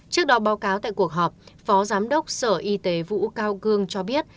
trước đó báo cáo tại cuộc họp phó giám đốc sở y tế vũ cao cương cho biết